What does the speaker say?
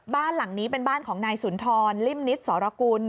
บ้านหลังนี้เป็นบ้านของนายสุนทรลิ่มนิดสรกุล